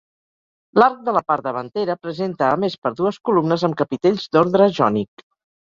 L'arc de la part davantera presenta a més per dues columnes amb capitells d'ordre jònic.